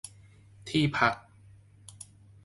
ที่พัก